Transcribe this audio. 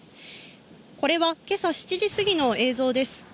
これは、けさ７時過ぎの映像です。